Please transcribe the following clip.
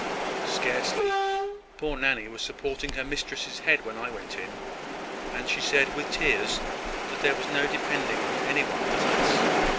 "Scarcely. Poor Nanny was supporting her mistress's head when I went in; and she said, with tears, that there was no depending on any one but us.